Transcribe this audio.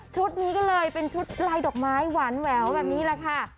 นี้ก็เลยเป็นชุดลายดอกไม้หวานแหววแบบนี้แหละค่ะ